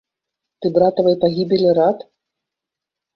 Ты братавай пагібелі рад?